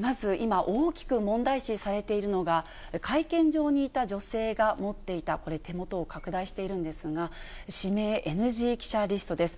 まず、今、大きく問題視されているのが、会見場にいた女性が持っていた、これ、手元を拡大しているんですが、指名ＮＧ記者リストです。